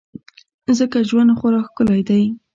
ځکه ژوند خورا ښکلی دی.